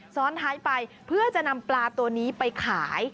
ซ้อนท้ายไปเพื่อจะนำปลาตัวนี้ไปขาย